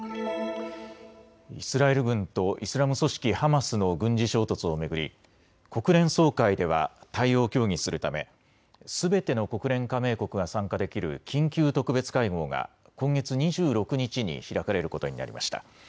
イスラエル軍とイスラム組織ハマスの軍事衝突を巡り国連総会では対応を協議するためすべての国連加盟国が参加できる緊急特別会合が今月２６日に開かれることになりました。